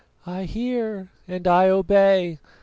"I hear, and I obey.